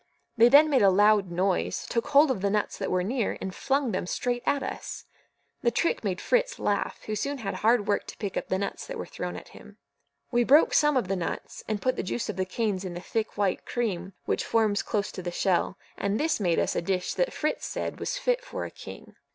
They then made a loud noise, took hold of the nuts that were near, and flung them straight at us. The trick made Fritz laugh, who soon had hard work to pick up the nuts that were thrown at him. We broke some of the nuts, and put the juice of the canes in the thick white cream which forms close to the shell; and this made us a dish that Fritz said was fit for a king.